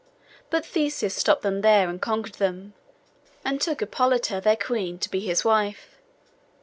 But Theseus stopped them there, and conquered them, and took Hippolute their queen to be his wife.